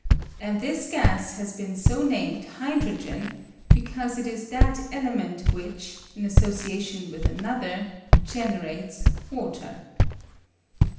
I And this gas has been so named hydrogen, I because it is that element which, in association with another, generates water.